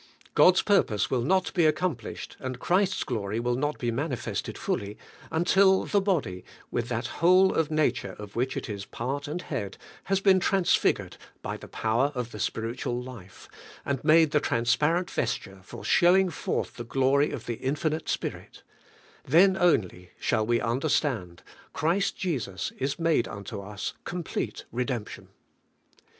God's purpose will not be accomplished and Christ's glory will not be manifested fully, until the body, with that whole of nature of which it is part and head, has been transfigured by the power of the spiritual life, and made the transparent vesture for showing forth the glory of the Infinite Spirit. 84 ABIDJP IN CHRIST: Then only shall we understand :* Christ Jesus is made unto us (complete) redemption.'